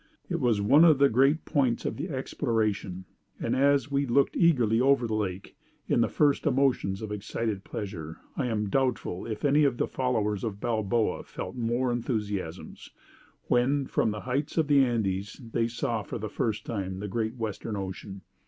It was one of the great points of the exploration; and as we looked eagerly over the lake in the first emotions of excited pleasure, I am doubtful if the followers of Balboa felt more enthusiasms, when, from the heights of the Andes, they saw for the first time the great Western Ocean.